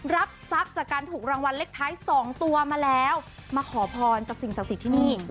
รับทรัพย์จากการถูกรางวัลเลขท้าย๒ตัวมาแล้วมาขอพรกับสิ่งศักดิ์สิทธิ์ที่นี่